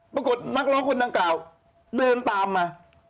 ปรากฏนักร้องคนนางกล่าวเดินตามมา